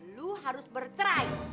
ibu harus bercerai